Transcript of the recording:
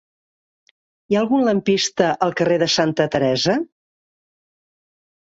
Hi ha algun lampista al carrer de Santa Teresa?